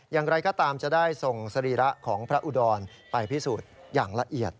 อย่างไรก็ตามจะได้ส่งสรีระของพระอุดรไปพิสูจน์อย่างละเอียด